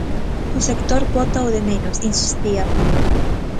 "O sector bótao de menos", insistía.